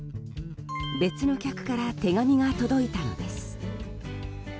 別の客から手紙が届いたのです。